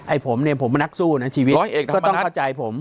ไอ้ผมเนี่ยผมมนักสู้นะชีวิตร้อยเอกธรรมนัสก็ต้องเข้าใจผม